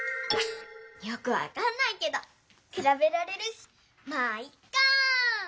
よくわかんないけどくらべられるしまぁいっか！